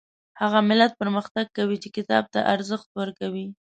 هغه ملت پرمختګ کوي چې کتاب ته ارزښت ورکوي